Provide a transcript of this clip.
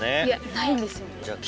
ないんですよ。